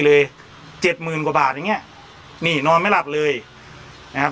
เลยเจ็ดหมื่นกว่าบาทอย่างเงี้ยนี่นอนไม่หลับเลยนะครับ